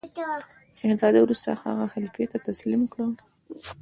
شهزاده وروسته هغه خلیفه ته تسلیم کړ.